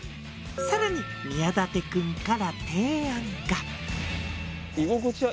更に宮舘君から提案が。